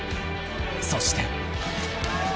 ［そして］